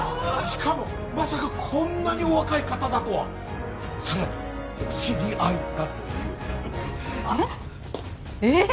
しかもまさかこんなにお若い方だとはさらにお知り合いだというえっ？